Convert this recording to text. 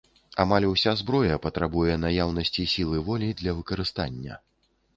Амаль уся зброя патрабуе наяўнасці сілы волі для выкарыстання.